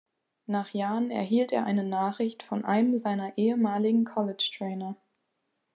Nach Jahren erhielt er eine Nachricht von einem seiner ehemaligen College Trainer.